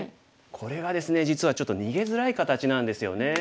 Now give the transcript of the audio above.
これがですね実はちょっと逃げづらい形なんですよね。